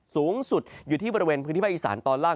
สูงสุดอยู่ที่บริเวณพื้นที่ภาคอีสานตอนล่าง